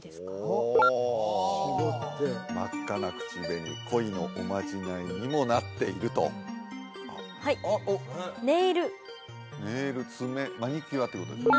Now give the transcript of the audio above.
お・あ真っ赤な口紅恋のおまじないにもなっているとはいネイルネイル爪マニキュアってことですか？